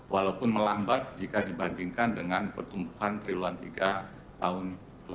walaupun melambat jika dibandingkan dengan pertumbuhan triwulan tiga tahun dua ribu dua puluh